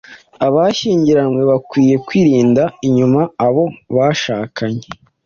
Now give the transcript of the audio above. Abashyingiranywe bakwiye kwirinda inyuma abo bashakanye.